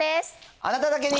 あなただけに！